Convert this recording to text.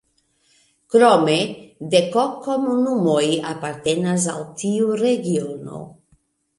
Krome dek-ok komunumoj apartenas al tiu regiono.